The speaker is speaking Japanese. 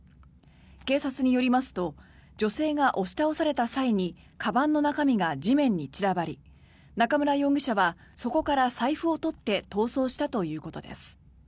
警察によりますと女性が押し倒された際にかばんの中身が地面に散らばり中村容疑者はそこから財布を取って逃走したということです。